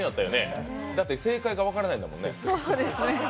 だって正解が分からないんだもんね。